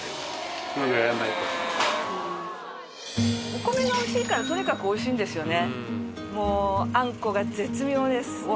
お米がおいしいからとにかくおいしいんですよね。